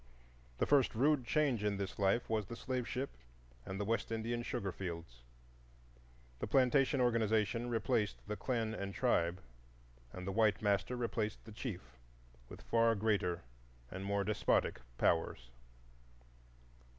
The first rude change in this life was the slave ship and the West Indian sugar fields. The plantation organization replaced the clan and tribe, and the white master replaced the chief with far greater and more despotic powers.